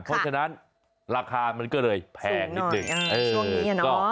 เพราะฉะนั้นราคามันก็เลยแพงนิดนึงช่วงนี้เนอะ